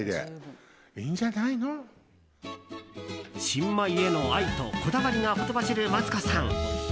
新米への愛とこだわりがほとばしるマツコさん。